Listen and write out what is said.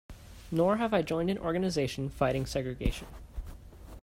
Nor have I joined an organization fighting segregation.